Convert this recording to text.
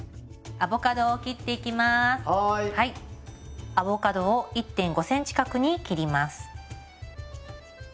アボカドを１．５ｃｍ角に切ります。